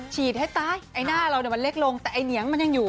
ฉีดให้ตายไอ้หน้าเราเดี๋ยวมันเล็กลงจะมีเนี่ยมันยังอยู่